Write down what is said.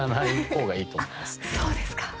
そうですか。